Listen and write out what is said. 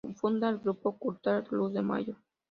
Funda el grupo cultural "Luz de Mayo".